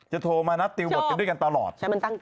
จะโทรมานับตริวบทไปด้วยกันตลอด